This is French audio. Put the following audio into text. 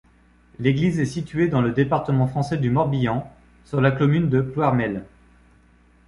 L'église est située dans le département français du Morbihan, sur la commune de Ploërmel.